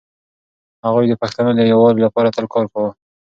هغوی د پښتنو د يووالي لپاره تل کار کاوه.